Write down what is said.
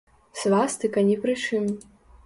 Свастыка ні пры чым.